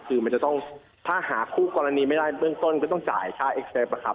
คือมันจะต้องถ้าหาคู่กรณีไม่ได้เบื้องต้นก็ต้องจ่ายค่าเอ็กเซฟอะครับ